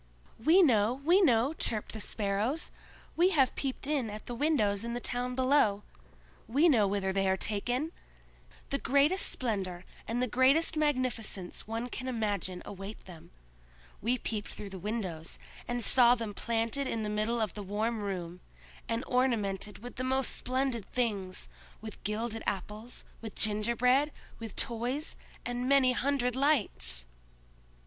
"We know! we know!" chirped the Sparrows. "We have peeped in at the windows in the town below! We know whither they are taken! The greatest splendor and the greatest magnificence one can imagine await them. We peeped through the windows, and saw them planted in the middle of the warm room, and ornamented with the most splendid things—with gilded apples, with gingerbread, with toys, and many hundred lights!"